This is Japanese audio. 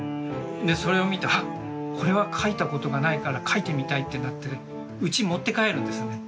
でそれを見てはっこれは描いたことがないから描いてみたいってなってうち持って帰るんですね。